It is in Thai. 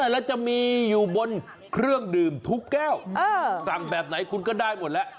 แล้วจะมีอยู่บนเครื่องดื่มทุกแก้วสั่งแบบไหนคุณก็ได้หมดแล้ว